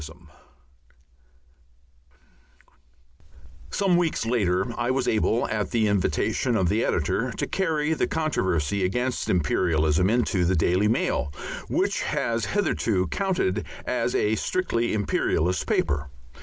§ 3 Some weeks later I was able, at the invitation of the editor, to carry the controversy against imperialism into the Daily Mail, which has hitherto counted as a strictly imperialist paper.